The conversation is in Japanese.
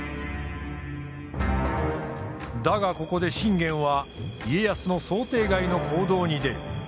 だがここで信玄は家康の想定外の行動に出る。